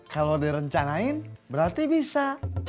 kalau direncanain berarti bisa